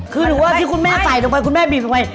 คือหนูว่าที่คุณแม่ใส่ลงไปคุณแม่บีบลงไป